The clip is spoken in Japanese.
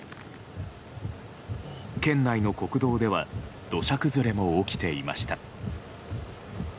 県内の国道では土砂崩れも起きていました。